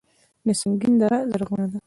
د سنګین دره زرغونه ده